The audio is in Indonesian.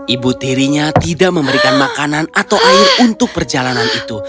ibu tirinya tidak memberikan makanan atau air untuk perjalanan itu